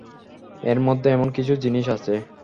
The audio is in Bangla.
এর মধ্যে এমন কিছু জিনিস আছে।